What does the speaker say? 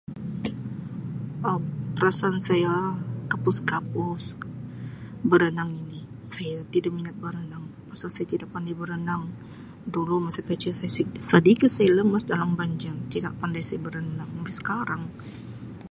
Um Perasaan saya kapus-kapus berenang ini, saya tidak berenang pasal saya tidak pandai berenang, dulu masa kecik saya siki-sedikit saya lemas dalam banjir tidak pandai saya berenang sampai sekarang.